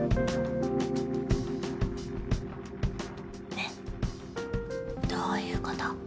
ねっどういうこと？